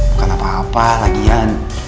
bukan apa apa lagian